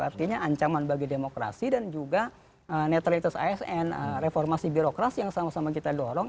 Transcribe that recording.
artinya ancaman bagi demokrasi dan juga netralitas asn reformasi birokrasi yang sama sama kita dorong